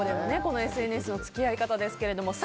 親子でのＳＮＳの付き合い方ですが。